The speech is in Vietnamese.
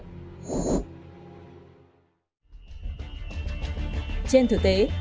trên thực tế các cơ quan an ninh điều tra bộ công an ban hành